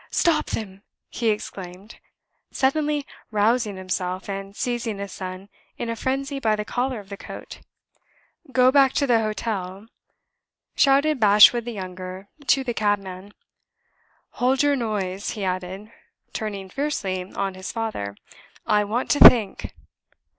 "Stop them!" he exclaimed, suddenly rousing himself, and seizing his son in a frenzy by the collar of the coat. "Go back to the hotel," shouted Bashwood the younger to the cabman. "Hold your noise!" he added, turning fiercely on his father. "I want to think."